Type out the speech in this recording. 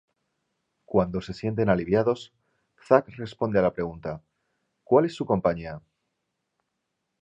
Cuando se sienten aliviados, Zack responde a la pregunta: "¿Cual es su compañía?